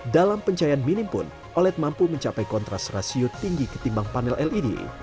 dalam pencahayaan minim pun oled mampu mencapai kontras rasio tinggi ketimbang panel led